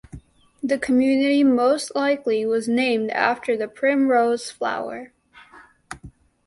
The community most likely was named after the primrose flower.